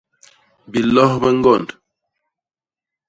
Bilos bi ñgond.